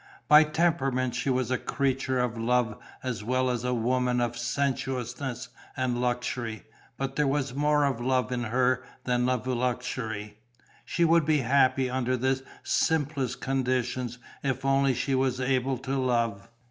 By temperament she was a creature of love as well as a woman of sensuousness and luxury, but there was more of love in her than of luxury: she would be happy under the simplest conditions if only she was able to love.